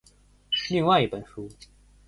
另外一本书。